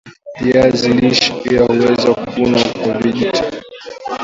viazi lishe pia huweza kuvunwa kwa vijiti